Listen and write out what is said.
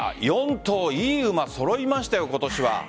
４頭、いい馬揃いましたよ今年は。